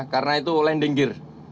karena itu landing gear